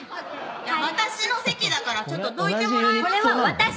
私の席だからちょっとどいてもらえます？